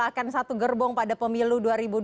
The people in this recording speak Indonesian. akan satu gerbong pada pemilu dua ribu dua puluh